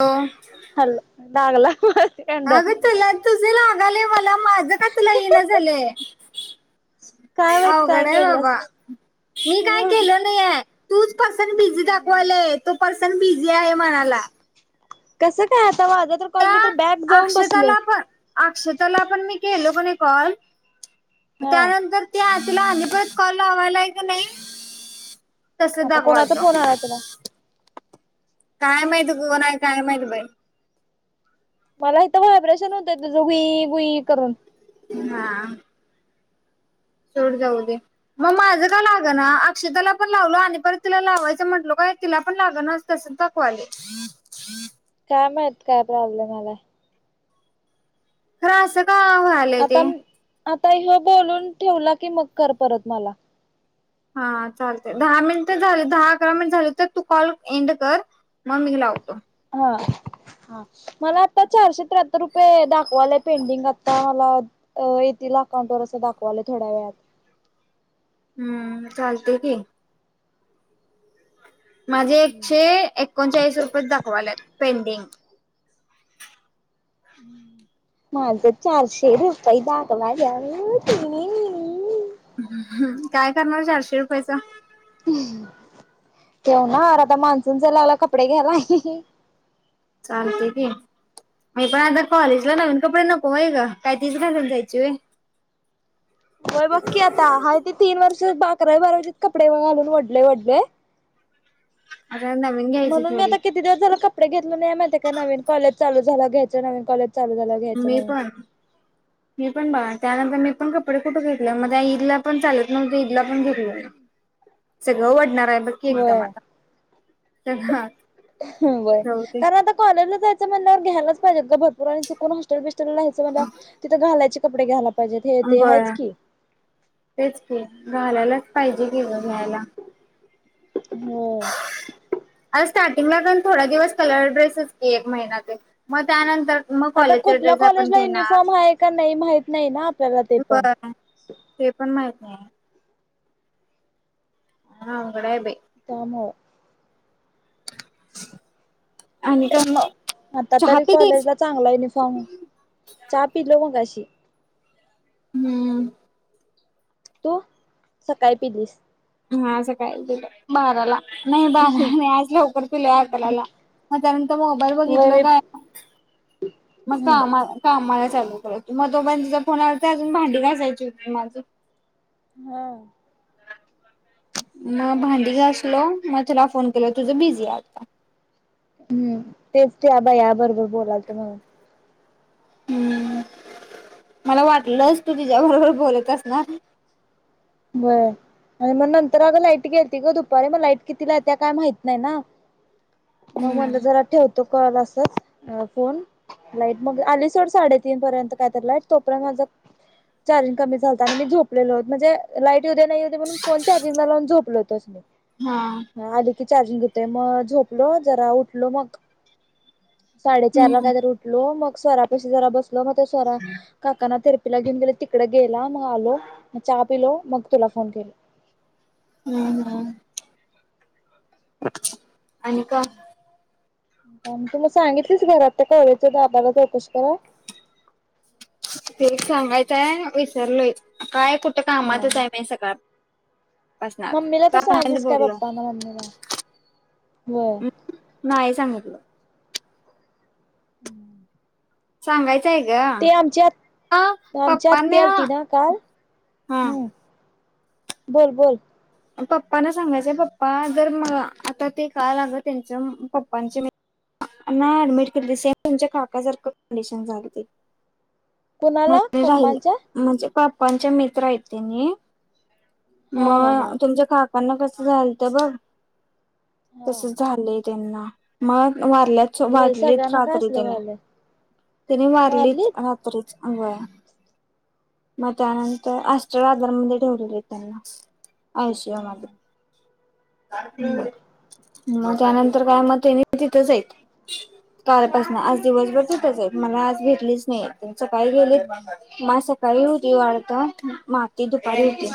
हो. हॅल लागला. कंड अगं तूला तुझ लागालय मला माझं का तुला येईना झालंय? काय माहित अवघड काय आहे बाबा केल्यास मी काय ह केलो नाहीये. तूच पर्सन बिझी दाखवालय तो पर्सन बिझी आहे म्हणाला. कसं काय आता माझा तर कॉल त्या मी तर बॅक जाऊन बसलोय. अक्षताला पण अक्षताला पण मी केलो कणी कॉल हा त्यानंतर ते आतला आणि परत कॉल लावलाय कणी तस आता कोणाचा फोन आला तुला दाखवालत काय माहित ग नाही काय माहित बाई. मला इथ व्हायब्रेशन होतंय तुझं घुई घुई करून ना. सोड जाऊ दे मग माझ का लागणा अक्षदाला पण लावलो आणि परत तिला लावायचं म्हटलो काय तिला पण लागना तसंच दाखवालय. काय माहित काय प्रॉब्लेम यालाय. खर असं का व्ह्याल आता आता ह्यो बोलून ठेवला की मग कर परत मला. हा चालतय दहा मिनिट झाले दहा अकरा मिनिट झाली तर तू कॉल एंड कर मग मी लावतो. हा हा मला आता चारशे त्र्याहत्तर रूप ते दाखवालाय पेंडिंग आता मला अ येतील अकाउंट वर असं दाखवालय थोड्या वेळात. हम्म चालतंय की. माझे एकशे एकोणचाळीस रुपयेच दाखवाल्यात पेंडिंग. माझं चारशे रुपये दाखवाल्यात [unintelligible] हं हं काय करणार चारशे रुपयचं? ठेवणार आता मान्सून सेल लागल्यावर कपडे घ्यायला. चालतंय की मी पण आता कॉलेजला नवीन कपडे नको होय ग काय तीच घालून जायच. चे होय बघ की आता हाय ते तीन वर्ष भाकऱ्या भरायचेत कपडे घालून वडले वडले. आता नवीन घ्यायची म्हणून मी थोडी आता कित किती दिवस झालं कपडे घेतलो नाही मी माहितेय का नवीन कॉलेज चालू झाल्यावर घ्यायचं नवीन कॉलेज चालू झाल्यावर मी पण. मी पण बाळा त्यानंतर मी पण कपडे कुठे घेतलोय म ह्या ईदला पण चालत नव्हतं ईदला पण घेतलो नाही. हम्म. सगळ वडणार आहे बघ की एकदम आता सगळं व्हय. जाऊदे. कारण आता कॉलेजला जायचं म्हणल्यावर घ्यायलाचं पोर आहेत ग भरपूर आणि चुकून हॉस्टेल बिस्टेलला राहायचं म्हटल्यावर तिथं घालायचे कपडे घ्यायला पाहिजेत हे ते आहेच होय की. तेच की घालायलाच पाहिजे की ग घ्यायला. हो. आता स्टार्टिंगला पण थोडया दिवस कलर ड्रेसच की एक महिनाभर मग त्यानंतर मग आता कॉलेजचा कुठल्या ड्रेस आपण कॉलेजला घेणार. युनिफॉर्म आहे का नाही माहित नाही ना आप ते पण माहित आहे. हा अनंगकडे बे. दामो. आणि का मग. आता चहा तरी पिलीस? कॉलेजला चांगला युनिफॉर्म चहा पिलो मगा अशी. हम्म. तू सकाळी पिलीस. हा असं काहील तुला बाराला नाही बारा नाही आज लवकर पिलो अकराला. मग त्यानंतर मोबर व्हय बघितलो मी काय मग काम. हम्म काम मला चालू करात मग तो पई त फोनवर अजून भांडी घासायची होती माझी. हा. मग भांडी घ असलो मग तुला फोन केल तुझं बिझी आहे आता. हम्म तेच ते अबा या बरोबर बोलाल ते म्हणून. हम्म मला वाटलंस तू तिच्या्याबरोबर बोलतस ना. बरं आणि मग नंतर अगं लाईट गेल तती ग दुपारी मग लाईट कितीला त्या काय माहित नाही ना. मग मला हम्म जरा ठेवतो कॉल असच फोन. लाईट मग आली सोड साडेतीीन पर्यंत काय तर लाईट तोपर्यंत माझं. चार्जंग कमी झातात आणि मी झोपलेलोत म्हणजे लाईट उद्या नाही हो्या म्हणून फोन चार्जिंगला लावून झोपल होतस मी. हं. आली की चार्जिंग घेतय मग झोपलो जरा उठलो मग. साडेचार ला हम्म काहीतरी उठलो मग स्वरापाशी जरा बसल मग ते स्वरा काकानाथिरपीला घेऊन गेले तिकडे गेला मग आलो चहा पिलो मग तुला फोन केल. हम्-हम. [unintelligible] का तू मग सांगितलीस घरात त्या कॉलेजच्या दाबाला चौकशी करा. ते सांगायचंय विसरलोय काय कुठं हा. कामातच आहे मी सकाळ. मम्मीला तर सांगितस काय बोललो पप्पा ना मम्मीला व्हय. नाही सांगितलं. हम्म. सांगायचं आहे ग ह आमची आत्ती पप्पनी. आलती ना काल हा. हम्म बोल बोल. पप्पाना सांगायचय पप्पा जर म आता ते का लाग त्यांच्या पप्पांचे मित्र ना ऍडमिट केली सेम तुमच्या काकासारखं कंडिशन झाली ते. म कुणाला पप्पांच्या राहिले म्हणजे पा्पांचे मित्र आहेतते तेनी. हा हा हा मग तुमच्या काकांना कसं झाल तर बघ. हा तसच झालंय त्यांना मग वारल्या अगं बाई मारलीत सगळ्यांना काय रात्री असलं त्याने व्हायलय त्याने मारलीत वारलीत रात्रीच अंग. मग त्यानंतर अष्ट्र आदार म ठेवलेले त्यांना. आयसीयू हा मध्ये. हा हम्म मग त्यानंतर काय मत तिथंचई तऱ्यापासून दिवसभर जेतच हा आहेत मला आज भेटलीच नाही त सकाळी गेले मा दुपारी होती वाढत माती दुपारी होती.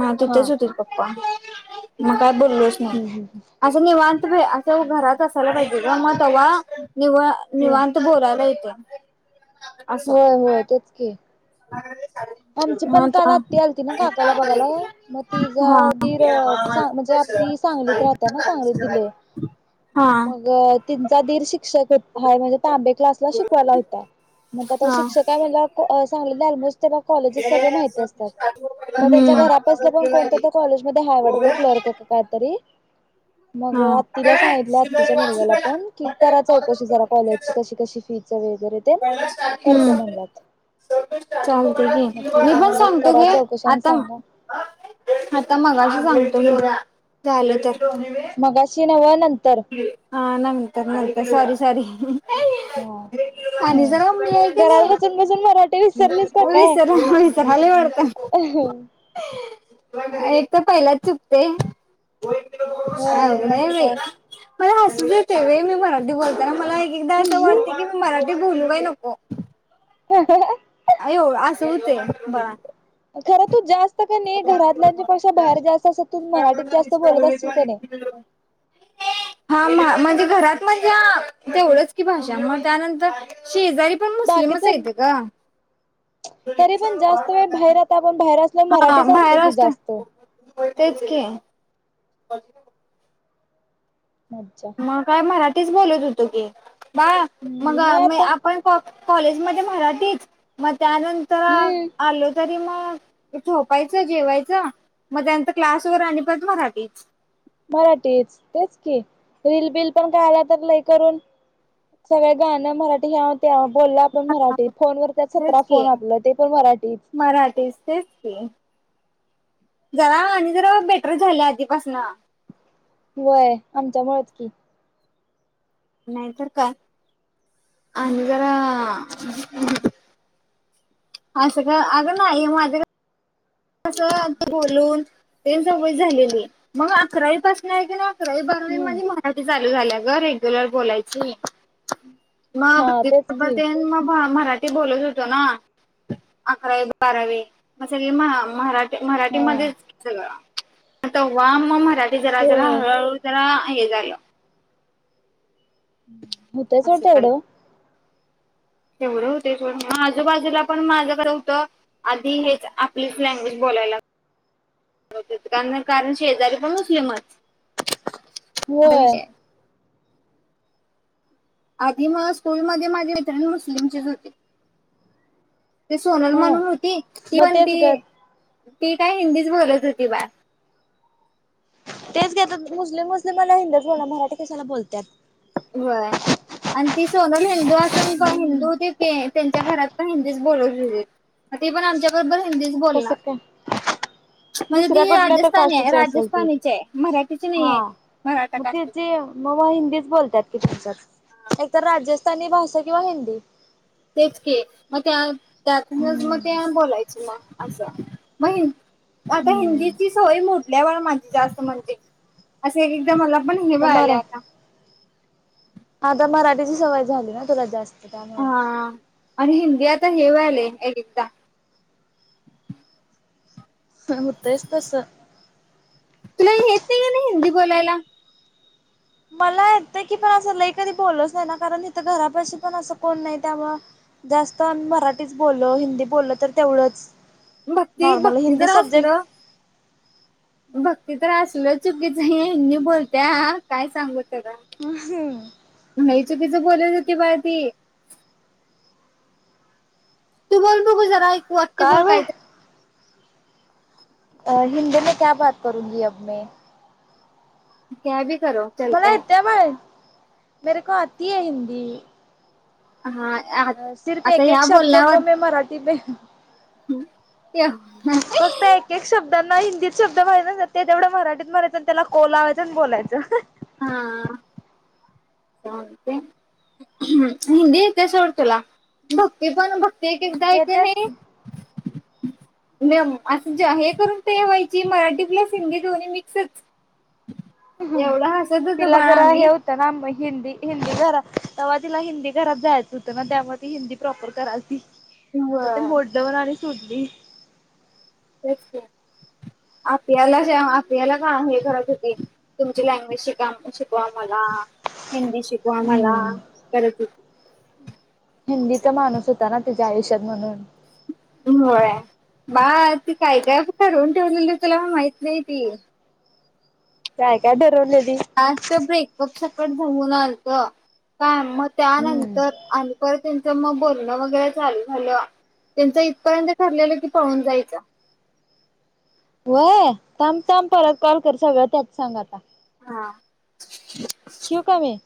ह हा तिथेच होते पप्पा मग काय बोललोच नाही हम् हम ह. निवांत भ असं घरात असायला पाहिजे ग मग तवा नि निवांत. बोलायला येतंय होय होय तेच की. [unintelligible] आमची पण काल आता आत्ती आलती ना काकाला बघाला मग तिचा हा दीरां म्हणजे आत्ती. सांगलीत राहत्या ना सांगलीत दिलय. हा हा. त्यांचा दीर शिक्षक हाय म्हणजे तांबे क्लासला शिकवायला होता मग आता हा. शिक्षक म्हणल्यावर सांगलीला अलमोस्ट त्याला कॉलेजेस सगळे माहिती असत्यात मग त्यांच्या हम्म. घरा पासल कोणतर त्या कॉलेजमध्ये हाय वाटतं क्लर्क का काय तर तरी मग आत्तीला सांगितलय आत्तीच्या मुलग्याला पण. की करा चौकशी जरा कॉलेजची कशी कशी फीच वगैरे ते पहिल्या स्टार्टिंगला करतो म्हणलात हम्. चालतय घे. मग ठीक मी आहे पण म्हणलं सांगतो करा घे. चौकशी आणि आता सांगा आता मघाशी सांगतो झालं तर. मघाशी नव्ह नंतर. हा नंतर, नंतर. Sorry, sorry. हा. आणि जरा मी हाय हम्म किनी घरात बसून बसून मराठी विसरलीस विसरलो विसरलोय वाटतं. ह. एक तर पहिलाच चुकते. होय अवघड आहे नाहीतर बाई. काय मला हसूच येतय बाई मी मराठी बोलताना मला एकेकदा असं वाटतंय की, मराठीत बोलू काय नको? [unintelligible] अयो असं होतय. खरं तू जास्त कने घरातल्यांच्या पेक्षा बाहेर जास्त अस मराठीत जास्त बोलत असशील कनेय? हा म्हणजे घरात म्हणजे तेवढच की भाषा मग त्यानंतर. शेजारी पण मुस्लिमच बाकीच हायत ग. जास्त वेळ बाहेर आता ते पण बाहेर असलो हा मराठीच असते बाहेर की जास्त असतोय तेच की. मज्जा. मग काय मराठीच बोलत होतो की बा मग हम्म मी आता आपण हो कॉलेज मध्ये मराठीच मग, त्यानंतर हम्म आलो तरी मग, झोपायचं, जेवायचं मग त्यांतर क्लास वर आणि परत मराठीच. मराठीच तेच की, रील बिल पण काय आल्या तर लय करून. सगळं गाणं मराठी यात त्या बोललं आपण मराठी. फोनवर त्या सतरा तेच की फोन आपलं ते पण मराठीच. मराठीच तेच. जरा आणि जरा बेटर झाल्या आधीपासन. व्हय आमच्या मुळच की. नाहीतर काय आणि जरा. असं का? अगं नाही माझ्या कस बोलून ते सवय झालेली मग अकरावीपासन आहे की ना अकरावी, बारावी हम्म माझी मराठी चालू झाल्या ग रेग्युलर बोलायची. मग हा भाजी तेच की चपाती म भ मराठी ते बोलत होतो ना, अकरावीत बारावी मग सगळे महा [unintelligible] हा मराठीमध्येच सगळं तंवा मग मराठी जरा जरा होय हळूहळू जरा हे झालं होतंय का तेवढं वेळ तेवढे होते पण आजूबाजूला पण माझं खरं होतं. आधी हेच आपलीच लँग्वेज बोलायला लाग [unintelligible] कान कारण शेजारी पण रुसले मज होय. आधी मय स्कूलमध्ये माझी मित्रिण मुस्लिम ची होती. ती सोनल हा म्हणून होती. ती मग पण तेच ग ती ती काय हिंदीच बोलत होती बाय तेच घेतात. मुस्लिम मुस्लिम मना हिंदच बोला मराठी कशाला बोलतात. होय. आणि ती सोनल हिंदू असून पम हिंदू हम्म होती ते त्यांच्या घरात पण हिंदीच बोलत होतेत. ती पण आमच्या बरोबर हिंदीच कसं काय बोलणार. म्हणजे दुसऱ्या ती कुठल्या तर राजस्थानी आहे. काष्टची असेल ती राजस्थानीची आहे. मराठीची नाही हा आहे. मराठा मग कास्टची. तिची [unintelligible] मग मग हिंदीच बोलतात. [unintelligible] एकतर राजस्थानी भाषा किंवा हिंदी तेच की, मग त्या त्यातूनच मग हम्म ते बोलायचं मग असं मग हि आता हम्म हिंदीची सवय मोडल्यावर माझी जास्त म्हणते असे एकदा मला पण हे तर व्हायले मरा आता आता मराठीची सवय झाली ना, तुला जास्त. त्यामुळे हा, आणि हिंदी आता हे व्हायले एक एकदा हं होतयस तसं तुला येत नाही म्हणे हिंदी बोलायला. मला येतं की पण असं लई कधी बोलोस नाही ना, कारण तिथं घरापाशी पण असं कोण नाही त्यामुळ जास्त मराठीच बोललो हिंदी बोल्ल तर तेवढंच भक्ती नॉर्मल भक्ती हिंदी तर सब्जेक्ट असलं भक्ती तर असलं चुकीचं हिंदी बोलत्या काय सांगू तुला? ह लई चुकीचं बोलत होती बाई ती. तू बोल बघू जरा एक वाक्य काय बोल कायतरी बाय अ हिंदी मे क्या बात करूंगी अब मै. क्या भी करो. चलता मला है येते बाय मेरे को आती है हिंदी. हाय सिर्फ एक एक शब्द को मै मराठी पे ह ते [unintelligible] एक एक शब्दांना हिंदीत शब्द [unintelligible] तेवढं मराठीत म्हणायचं. त्याला ओ लावायचं आणि बोलायचं. हा.. [unintelligible] हिंदी येते सोड तुला भक्ती पण भ ते एक एकदाय की नाही म्याम असं ज्या हे करून ठेवायची मराठी प्लस हिंदी दोन्ही मिक्सच एवढं हासत होतो बाळा आम्ही त्याना हिंदी हिंदी घरात तवा तिला हिंदी घरात जायचं होतं ना, त्यामुळे ती हिंदी प्रॉपर करालती आता ते होय मोडदवर आणि सोढली. तेच ते आपल्याला ज आपियाला का आहे खरच होती. तुमची लँग्वेज शिका शिकवा मला हिंदी शिक ''--'' वा आम्हाला हम्म करत होती. असं हिंदीचा माणूस होता ना त्याच्या आयुष्यात म्हणून. होय बाळ ती काय काय ठरवून ठेवलेली तुला म माहित नाही ती. काय काय ठरवल्याली. जास् ब्रेकअप सकट [unintelligible] जमून आलत. काय मग हम्म त्यानंतर आणि पर त्यांचं मग बोलणं वगैरे चालू झालं. त्यांच इथपर्यंत ठरलेलं की, पाहून जायचं. होय थांब थांब परत कॉल कर सगळं त्यात सांग आता. हा, ठिऊ काय मी?